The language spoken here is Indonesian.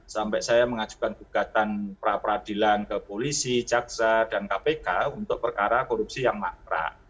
sampai saya mengajukan gugatan pra peradilan ke polisi jaksa dan kpk untuk perkara korupsi yang makrak